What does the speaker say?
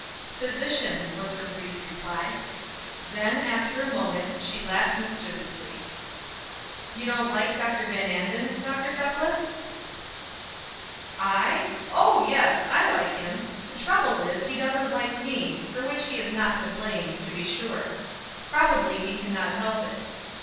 "Physician," was her brief reply. Then, after a moment, she laughed mischievously. "You don't like Dr. Van Anden, Dr. Douglass?" "I! Oh, yes, I like him; the trouble is, he doesn't like me, for which he is not to blame, to be sure. Probably he can not help it.